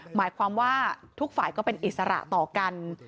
หมายความว่าทุกฝ่ายก็เป็นอิสระต่อกัน